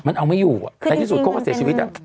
ในที่สุดเขาก็เสียชีวิตอัน